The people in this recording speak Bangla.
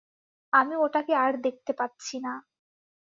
আমি ওটাকে আর দেখতে পাচ্ছি না।